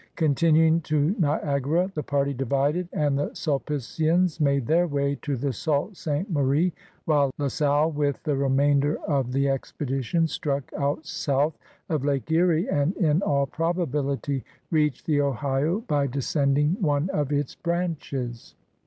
Continuing to Niagara, the party divided and the Sulpicians made their way to the Sault Ste. Marie, while La Salle with the remainder of the expedition struck out south of Lake Erie and in all probability reached the Ohio by descending one of its branches.